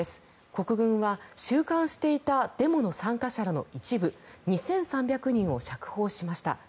国軍は収監していたデモの参加者らの一部２３００人を釈放しました。